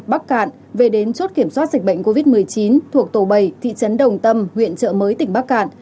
bắc cạn về đến chốt kiểm soát dịch bệnh covid một mươi chín thuộc tổ bảy thị trấn đồng tâm huyện trợ mới tỉnh bắc cạn